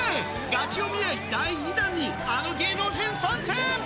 ガチお見合い第２弾に、あの芸能人参戦。